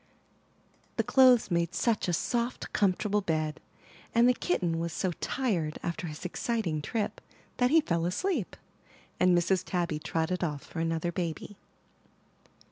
The clothes made such i8i MY BOOK HOUSE a soft, comfortable bed, and the kitten was so tired after his exciting trip, that he fell asleep, and Mrs. Tabby trotted off for another baby.